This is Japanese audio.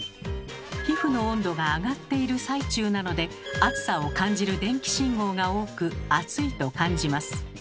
皮膚の温度が上がっている最中なので熱さを感じる電気信号が多く「熱い」と感じます。